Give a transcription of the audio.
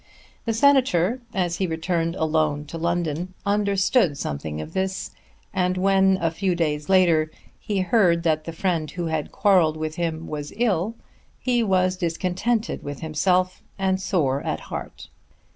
The Senator as he returned alone to London understood something of this, and when a few days later he heard that the friend who had quarrelled with him was ill, he was discontented with himself and sore at heart.